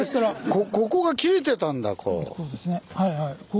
ここが切れてたんだこう。